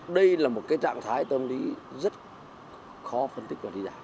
đây là một trạng thái tâm lý rất khó phân tích và thí giả